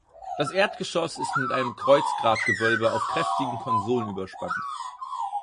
Das Erdgeschoss ist mit einem Kreuzgratgewölbe auf kräftigen Konsolen überspannt.